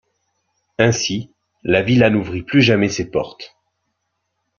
Ainsi, la villa n'ouvrit plus jamais ses portes.